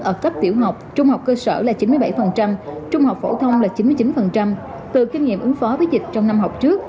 ở cấp tiểu học trung học cơ sở là chín mươi bảy trung học phổ thông là chín mươi chín từ kinh nghiệm ứng phó với dịch trong năm học trước